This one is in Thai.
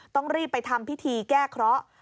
ต้องรีบไปทำพิธีแก้เคราะห์